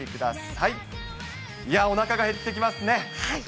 いやー、おなかが減ってきますね。